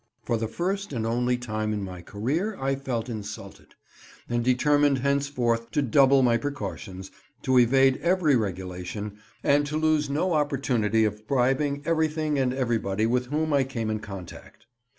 For the first and only time in my career I felt insulted, and determined henceforth to double my precautions, to evade every regulation, and to lose no opportunity of bribing everything and everybody with whom I came in contact.